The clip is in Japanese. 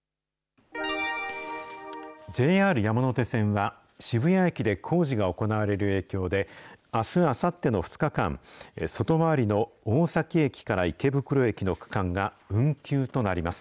ＪＲ山手線は、渋谷駅で工事が行われる影響で、あす、あさっての２日間、外回りの大崎駅から池袋駅の区間が運休となります。